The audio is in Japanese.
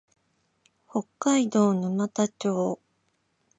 北海道沼田町